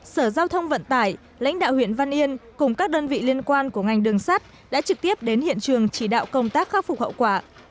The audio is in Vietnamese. sở giao thông vận tải lãnh đạo huyện văn yên cùng các đơn vị liên quan của ngành đường sắt đã trực tiếp đến hiện trường chỉ đạo công tác khắc phục hậu quả